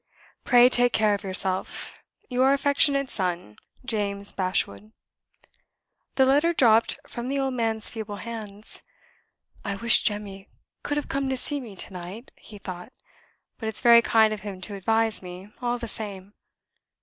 "Pray take care of yourself. "Your affectionate son, "JAMES BASHWOOD." The letter dropped from the old man's feeble hands. "I wish Jemmy could have come to see me to night," he thought. "But it's very kind of him to advise me, all the same."